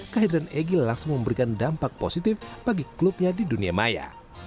kehadiran egy langsung memberikan dampak positif bagi klubnya di dunia maya